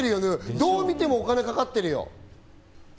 どう見てもお金かかってるよ。